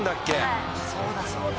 あそうだそうだ。